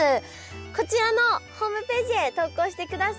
こちらのホームページへ投稿してください。